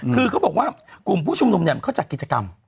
คือเขาบอกว่ากลุ่มผู้ชุมนุมเนี่ยเขาจัดกิจกรรม